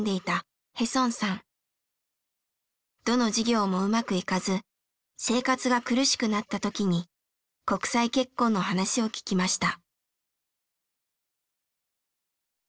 どの事業もうまくいかず生活が苦しくなった時に国際結婚の話を聞きました。